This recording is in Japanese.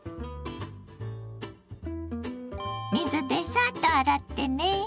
水でサッと洗ってね。